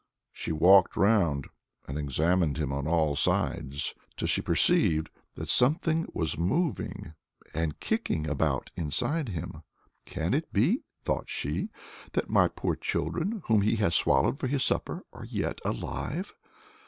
She walked round and examined him on all sides, till she perceived that something was moving and kicking about inside him. "Can it be," thought she, "that my poor children whom he has swallowed for his supper are yet alive?"